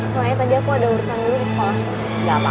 soalnya tadi aku ada urusan dulu di sekolah